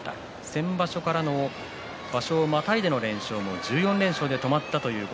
先場所からの場所をまたいでの連勝も１４連勝で止まりました。